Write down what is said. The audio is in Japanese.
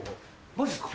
マジっすか？